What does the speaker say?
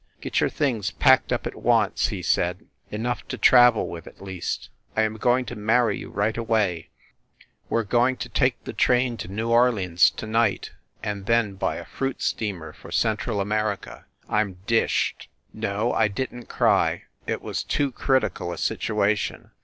"Get your things packed up at once!" he said. "Enough to travel with, at least. I am going to marry you right away! We re going to 34 FIND THE WOMAN take the train to New Orleans to night, and then by a fruit steamer for Central America. I m dished !" No, I didn t cry. It was too critical a situation.